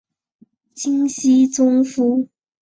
金熙宗父。